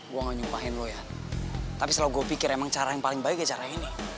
gue gak nyumpahin lo ya tapi selalu gue pikir emang cara yang paling baik ya cara ini